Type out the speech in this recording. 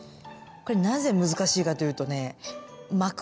これなぜ難しいかというとね巻く